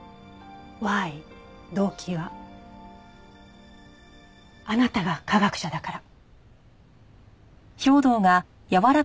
ＷＨＹ動機はあなたが科学者だから。